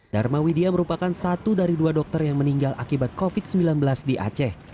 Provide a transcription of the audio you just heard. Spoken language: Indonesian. dharma widia merupakan satu dari dua dokter yang meninggal akibat covid sembilan belas di aceh